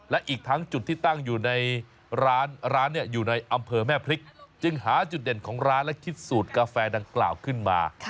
และอีกทั้งจุดที่ตั้งอยู่ในร้านร้านอยู่ในอำเภอแม่พริกจึงหาจุดเด่นของร้านและคิดสูตรกาแฟดังกล่าวขึ้นมา